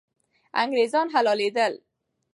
انګریزان حلالېدل.